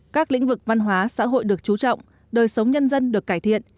các lĩnh vực văn hóa xã hội được chú trọng đời sống nhân dân được cải thiện